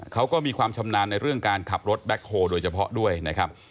เขาก็มีความชำนาญในเรื่องการขับรถแบ็คโฮลโดยเฉพาะด้วยนะครับ